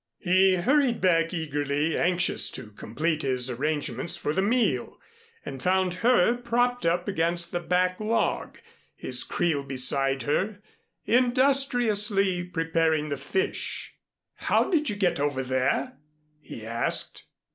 He hurried back eagerly, anxious to complete his arrangements for the meal, and found her propped up against the back log, his creel beside her, industriously preparing the fish. "How did you get over there?" he asked.